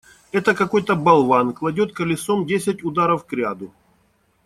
Это какой-то болван кладет колесом десять ударов кряду.